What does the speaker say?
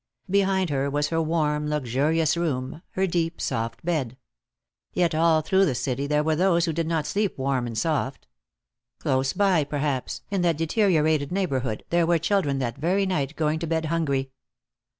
Behind her was her warm, luxurious room, her deep, soft bed. Yet all through the city there were those who did not sleep warm and soft. Close by, perhaps, in that deteriorated neighborhood, there were children that very night going to bed hungry.